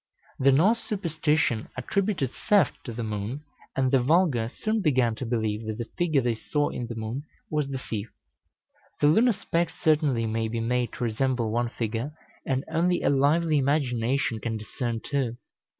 The Norse superstition attributed theft to the moon, and the vulgar soon began to believe that the figure they saw in the moon was the thief. The lunar specks certainly may be made to resemble one figure, and only a lively imagination can discern two.